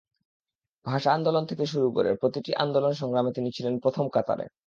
ভাষা আন্দোলন থেকে শুরু করে প্রতিটি আন্দোলন-সংগ্রামে তিনি ছিলেন প্রথম কাতারে।